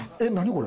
これ。